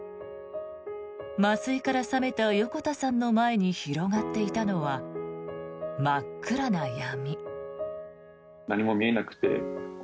麻酔から覚めた横田さんの前に広がっていたのは真っ暗な闇。